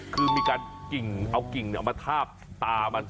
คือมีการเอากิ่งเอามาทาบตาอะไร